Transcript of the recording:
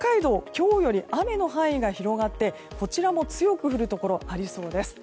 今日より雨の範囲が広がってこちらも強く降るところがありそうです。